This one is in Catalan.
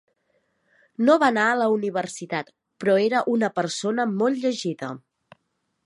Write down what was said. No va anar a la universitat, però era una persona molt llegida.